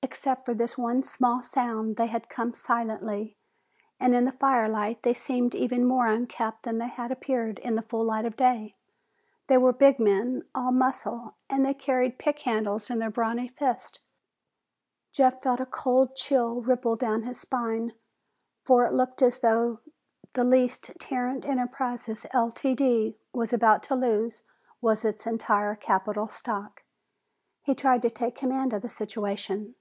Except for this one small sound, they had come silently, and in the firelight they seemed even more unkempt than they had appeared in the full light of day. They were big men, all muscle, and they carried pick handles in their brawny fists. Jeff felt a cold chill ripple down his spine, for it looked as though the least Tarrant Enterprises, Ltd., was about to lose was its entire capital stock. He tried to take command of the situation.